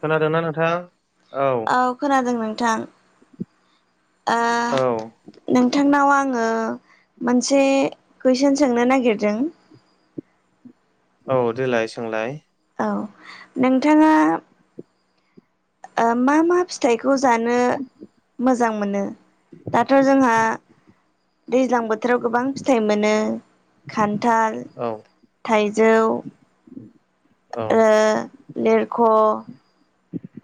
खोनादोंना नोंथां? औ खोनादों नोंथां। ओ औ नोंथांनाव आङो मोनसे कुइसन सोंनो नागिरदों। औ देलाय सोंलाय। औ नोंथाङा मा मा फि थाइखौ जानो मोजां मोनो दाथ' जोंहा दैज्लां बोथोराव गोबां फिथाइ मोनो खान्थाल, औ थाइजौ औ ओ लेरख'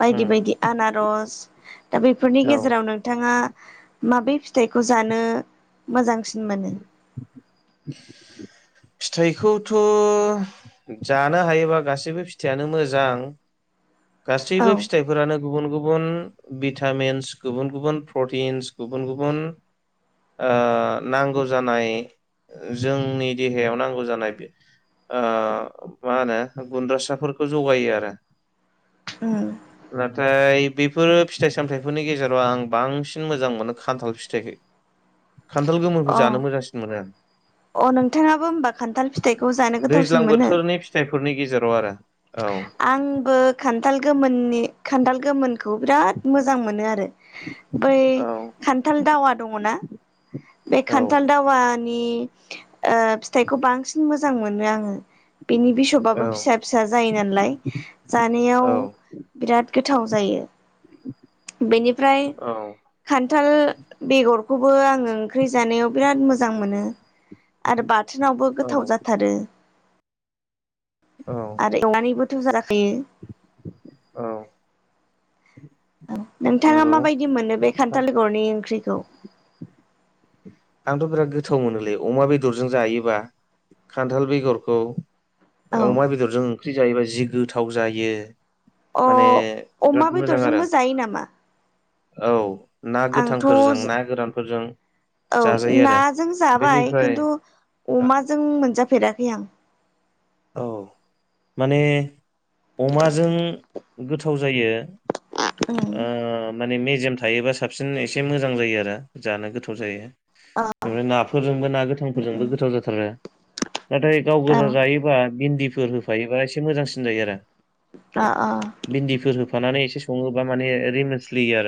बायदि उम बायदि आनारस। दा बेफोरनि औ गेजेराव नोंथाङा माबै फिथाइखौ जानो मोजांसिन मोनो? [inaudible] फिथाइखौथ' जानो हायोबा गासैबो फिथाइयानो मोजां। औ गासैबो फिथाइफोरानो गुबुन गुबुन भिटामिन्स गुबुन गुबुन प्रटिन्स गुबुन गुबुन ओ नांगौ जानाय जोंनि देहायाव नांगौ जानाय बे ओ मा होनो गुन्द्रासाफोरखौ जगायो आरो। उम। नाथाय बेफोर फिथाइ सामथायाइफोरनि गेजेराव आं बांसिन मोजां मोनो खान्थाल फिथाइखो। खान्थाल गोमोरखौ अ जानो मोजांसिन मोनो आं। अ नोंथाङाबो होमबा खान्थाल फिथाइखौ जानो दैज्लां गोथावसिन मोनो? बोथोरनि फिथाइफोरनि गेजेराव आरो। औ आं बो खान्थाल गोमोननि खान्थाल गोमोनखौ बिराद मोजां मोनो आरो। बै औ खान्थाल दावा दङ ना बे औ खान्थाल दावा नि ओ फिथाइखौ बांसिन मोजां मोनो आङो। बिनि बिसबाबो फिसा फिसा जायो नालाय। जानायाव औ बिराद गोथाव जायो बेनिफ्राय औ। खान्थाल बेगरखौबो आङो ओंख्रि जानायाव बिराद मोजां मोनो। आरो बाथोनावबो गोथाव जाथारो। औ। एवनानैबोथ' जा जाखायो। औ। नोंथाङा नंगौ माबायदि मोनो बे खान्थालगरनि ओंख्रिखौ? आंथ' बिराद गोथाव मोनोलै अमा बेदरजों जायोबा खान्थाल बेगरखौ औ अमा बेदरजों ओंख्रि जायोबा जि गोथाव जायो। अ माने अमा बिराद मोजां आरो। बेदरजोंबो जायो नामा औ ना आंथ' गोथांफोरजों ना गोरानफोरजों औ जाजायो आरो नाजों जाबाय बेनिफ्राय खिन्थु अमाजों मोनजाफेराखै आं। औ माने अमाजों गोथाव जायो। ओ माने मेजेम थायोबा साबसिन एसे मोजां जायो आरो जानो गोथाव जायो। औ ओ नाफोरजोंबो ना गोथांफोरजोंबो गोथाव जाथारो नाथाय गाव औ गोजा जायो। बा भिन्दिफोर होफायोबा एसे मोजांसिन जायो आरो। आ आ। भिन्दिफोर होफानानै एसे सङोबा माने रिमोन स्लियो आरो।